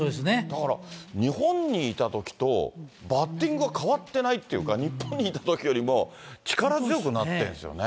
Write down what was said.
だから日本にいたときと、バッティングは変わってないっていうか、日本にいたときよりも、力強くなってるんですよね。